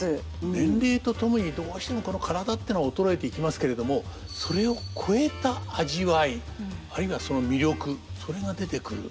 年齢とともにどうしてもこの体ってのは衰えていきますけれどもそれを超えた味わいあるいはその魅力それが出てくる。